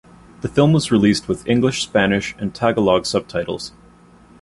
The film was released with English, Spanish, and Tagalog subtitles.